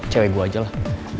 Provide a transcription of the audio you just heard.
cewek gue aja lah